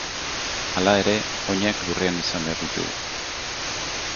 Hala ere, oinak lurrean izan behar ditugu.